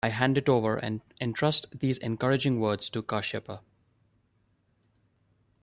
I hand it over and entrust these encouraging words to Kashyapa.